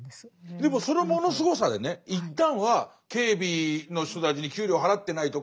でもそのものすごさでね一旦は警備の人たちに給料払ってないとか。